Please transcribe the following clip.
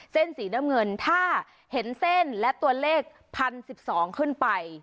เส้นสีน้ำเงินถ้าเห็นเส้นและตัวเลข๑๐๑๒ขึ้นไป